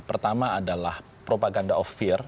pertama adalah propaganda of fear